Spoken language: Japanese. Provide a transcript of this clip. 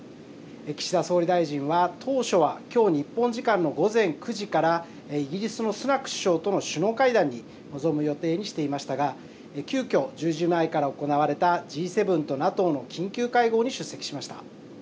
岸田総理大臣は当初はきょう日本時間の午前９時からイギリスのスナク首相との首脳会談に臨む予定にしていましたが急きょ１０時前から行われたＧ７とＮＡＴＯの緊急会合に出席しました。